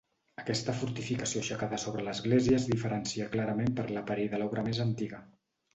Aquesta fortificació aixecada sobre l'església es diferencia clarament per l'aparell de l'obra més antiga.